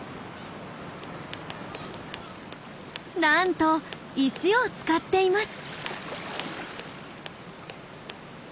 なんと石を使っています。